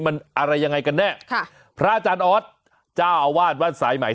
มันอะไรยังไงกันแน่ค่ะพระอาจารย์ออสเจ้าอาวาสวัดสายใหม่